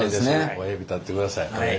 親指立ててください。